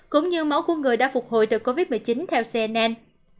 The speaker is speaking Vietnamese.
cũng như máu của người đã phục hồi từ covid một mươi chín theo cnn